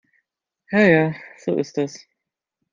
Ja ja, so ist das.